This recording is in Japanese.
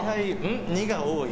２が多い？